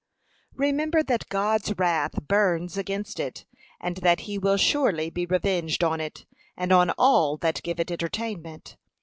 Remember that God's wrath burns against it, and that he will surely be revenged on it, and on all that give it entertainment.